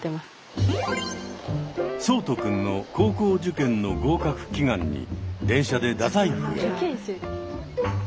聡人くんの高校受験の合格祈願に電車で太宰府へ。